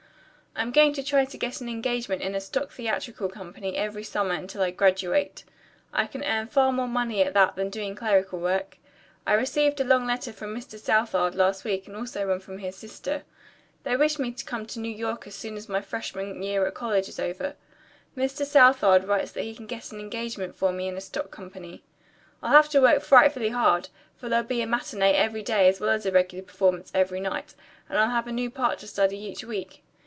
"I'm going to try to get an engagement in a stock theatrical company every summer until I graduate. I can earn far more money at that than doing clerical work. I received a long letter from Mr. Southard last week and also one from his sister. They wish me to come to New York as soon as my freshman year at college is over. Mr. Southard writes that he can get an engagement for me in a stock company. I'll have to work frightfully hard, for there will be a matinee every day as well as a regular performance every night, and I'll have a new part to study each week.